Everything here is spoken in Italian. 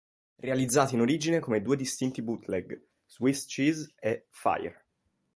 Realizzati in origine come due distinti bootleg, "Swiss Cheese" e "Fire!